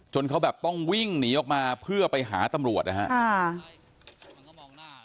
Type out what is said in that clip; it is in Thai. เขาแบบต้องวิ่งหนีออกมาเพื่อไปหาตำรวจนะครับ